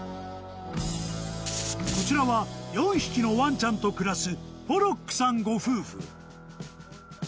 ［こちらは４匹のワンちゃんと暮らす］